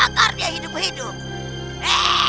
bakar dia hidup hidup